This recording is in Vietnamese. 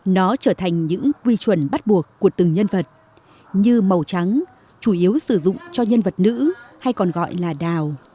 nó trở thành những quy chuẩn bắt buộc của từng nhân vật như màu trắng chủ yếu sử dụng cho nhân vật nữ hay còn gọi là đào